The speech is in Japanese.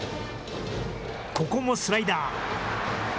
ここもスライダー。